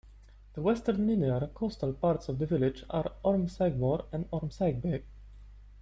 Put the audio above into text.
The western linear, coastal parts of the village are Ormsaigmore and Ormsaigbeg.